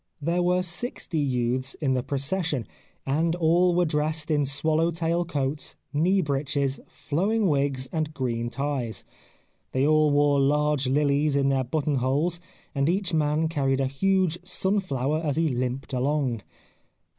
There were sixty youths in the procession, and all were dressed in swallow tail coats, knee breeches, flowing wigs and green ties. They all wore large lilies in their button holes, and each man carried a huge sunflower as he limped along.